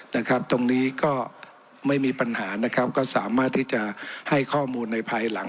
นะครับตรงนี้ก็ไม่มีปัญหานะครับก็สามารถที่จะให้ข้อมูลในภายหลัง